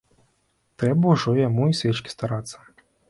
Трэба ўжо яму й свечкі старацца.